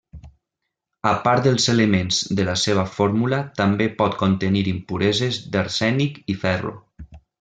A part dels elements de la seva fórmula també pot contenir impureses d'arsènic i ferro.